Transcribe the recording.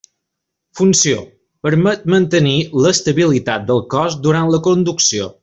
Funció: permet mantenir l'estabilitat del cos durant la conducció.